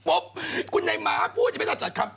ปุ๊บคุณใหญ่หมาพูดอย่าไปต่อจัดคำ